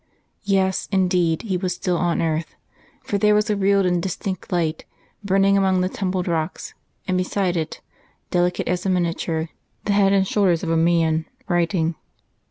Yes, indeed he was still on earth; for there was a real and distinct light burning among the tumbled rocks, and beside it, delicate as a miniature, the head and shoulders of a man, writing.